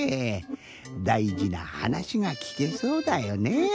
だいじなはなしがきけそうだよね。